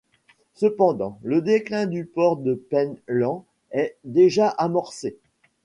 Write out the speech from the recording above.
Cependant, le déclin du port de Pen Lan est déjà amorcé.